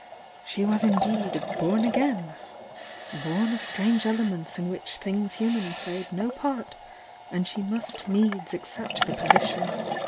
— she was indeed "born again" — ^born of strange elements in which things human played no part, and she must needs accept the position.